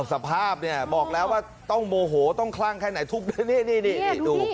สภาพเนี่ยบอกแล้วว่าต้องโมโหต้องคลั่งแค่ไหนทุบด้วยนี่ดู